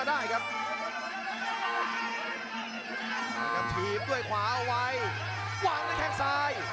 แล้วก็ทีมด้วยขวาเอาไว้วางแล้วแค่งซ้าย